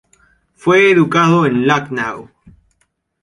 Fue educado en Lucknow.